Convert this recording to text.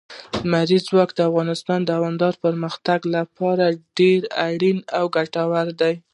لمریز ځواک د افغانستان د دوامداره پرمختګ لپاره ډېر اړین او ګټور دی.